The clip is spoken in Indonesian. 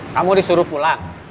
kamu disuruh pulang